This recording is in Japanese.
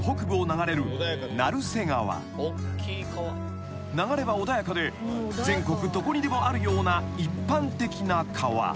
［流れは穏やかで全国どこにでもあるような一般的な川］